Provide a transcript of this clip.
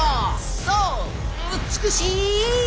そう美しい！